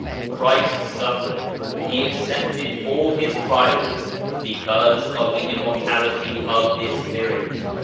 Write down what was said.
Christ suffered, He accepted all His trials because of the immortality of His Spirit.